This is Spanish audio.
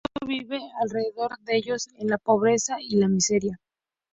El resto vive alrededor de ellos en la pobreza y la miseria.